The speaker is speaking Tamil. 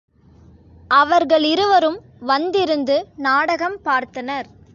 அவர்களிருவரும் வந்திருந்து நாடகம் பார்த்தனர்.